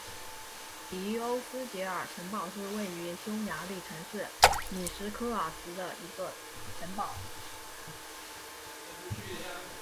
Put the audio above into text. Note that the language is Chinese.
迪欧斯捷尔城堡是位于匈牙利城市米什科尔茨的一座城堡。